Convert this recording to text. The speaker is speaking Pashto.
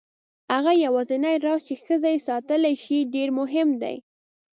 هغه یوازینی راز چې ښځه یې ساتلی شي ډېر مهم دی.